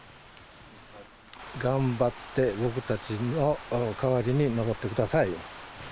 頑張って僕たちの代わりに登ってください。